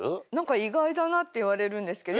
意外だなって言われるんですけど。